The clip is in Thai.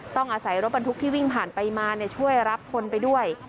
ต้องอาศัยรถบรรทุกที่วิ่งผ่านไปมาช่วยรับคนไปด้วย